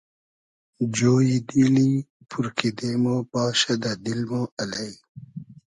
جۉیی دیلی پور کیدې مۉ باشۂ دۂ دیل مۉ الݷ